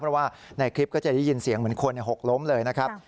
เพราะว่าในคลิปก็จะได้ยินเสียงเหมือนคนหกล้มเลยนะครับ